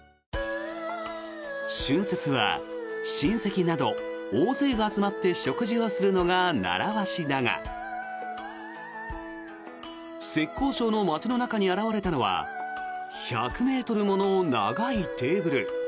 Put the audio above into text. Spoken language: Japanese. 春節は親戚など大勢が集まって食事をするのが習わしだが浙江省の街の中に現れたのは１００ｍもの長いテーブル。